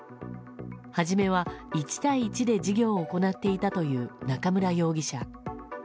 初めは、１対１で授業を行っていたという中村容疑者。